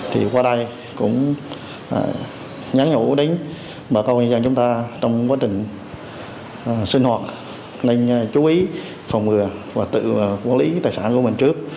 thì qua đây cũng nhắn nhũ đến mà câu người dân chúng ta trong quá trình sinh hoạt nên chú ý phòng ngừa và tự quân lý tài sản của mình trước